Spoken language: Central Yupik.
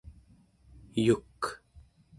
yuk